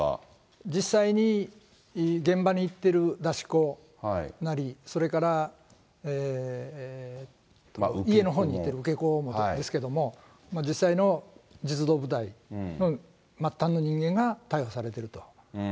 実際に現場に行ってる出し子なり、それから家のほうにいてる受け子もなんですけれども、実際の実働部隊の末端の人間が逮捕されていると。